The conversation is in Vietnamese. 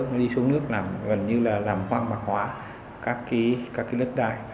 nó đi xuống nước làm gần như là làm hoang mạc hóa các cái đất đai